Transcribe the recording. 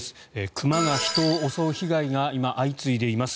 熊が人を襲う被害が今、相次いでいます。